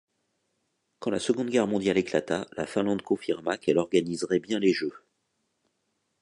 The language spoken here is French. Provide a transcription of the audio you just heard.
Quand la Seconde Guerre mondiale éclata, la Finlande confirma qu'elle organiserait bien les Jeux.